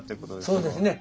そうですね。